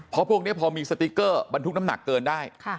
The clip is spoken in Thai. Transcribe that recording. เพราะพวกนี้พอมีสติ๊กเกอร์บรรทุกน้ำหนักเกินได้